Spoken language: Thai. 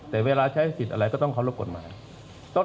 แต่เวลาใช้สิทธิ์อะไรก็ต้องเคารพกฎหมาย